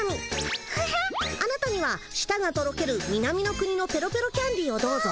あなたにはしたがとろける南の国のペロペロキャンディーをどうぞ！